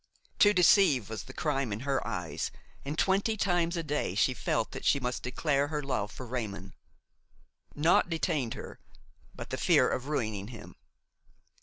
To deceive was the crime in her eyes, and twenty times a day she felt that she must declare her love for Raymon; naught detained her but the fear of ruining him.